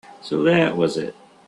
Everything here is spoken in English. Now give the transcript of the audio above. So that was it.